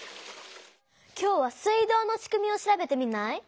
今日は水道のしくみを調べてみない？